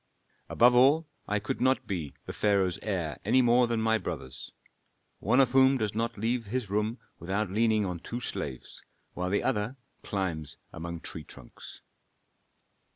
"Above all, I could not be the pharaoh's heir any more than my brothers, one of whom does not leave his room without leaning on two slaves, while the other climbs along tree trunks."